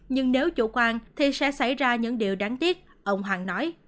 nhưng nếu chủ quan thì sẽ xảy ra những điều đáng tiếc ông hằng nói